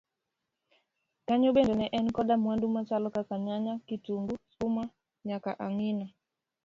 kanyo bende ne en koda mwandu machalo kaka nyanya, kitungu, skuma nyaka ang'ina.